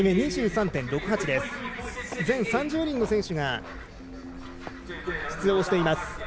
全３０人の選手が出場しています。